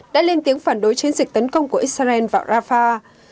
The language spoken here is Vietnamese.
đã lên tiếng phản đối chiến dịch tấn công của israel vào rafah